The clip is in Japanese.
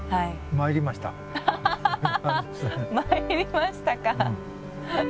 参りましたか。